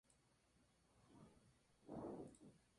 La banda Semillas fue incluida con su tema "En tus manos".